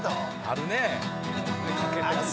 あるね。